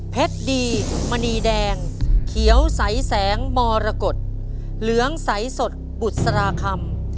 ดีมณีแดงเขียวใสแสงมรกฏเหลืองใสสดบุษราคำ